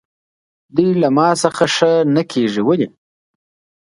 دوی له ما څخه ښه نه کېږي، ولې؟